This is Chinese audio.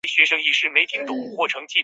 后来为粮食店街第十旅馆使用。